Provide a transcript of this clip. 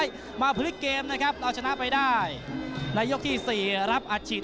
อยากได้มั้ยล่ะ